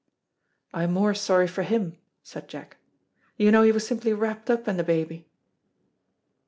"I am more sorry for him," said Jack; "you know he was simply wrapped up in the baby."